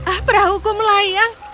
ah perahu ku melayang